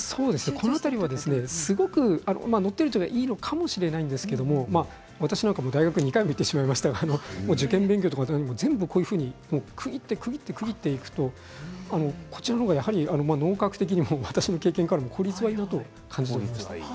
この辺りは乗っているならいいのかもしれないですけれども私も大学に２回行ってしまいましたけれども受験勉強も全部こういうふうに区切っていくとこちらのほうが脳科学的にも私の経験からも効率がいいなと感じました。